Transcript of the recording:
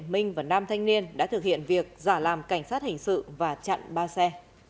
minh và nam thanh niên đã thực hiện việc giả làm cảnh sát hình sự và chặn ba xe